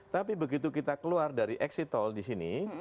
tapi begitu kita keluar dari exit tol di sini